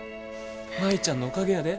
舞ちゃんのおかげやで。